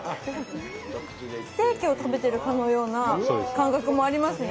ステーキを食べてるかのような感覚もありますね。